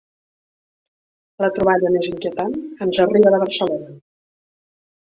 La troballa més inquietant ens arriba de Barcelona.